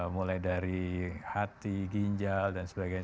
mulai dari hati ginjal dan sebagainya